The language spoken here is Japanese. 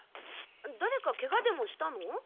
だれかケガでもしたの？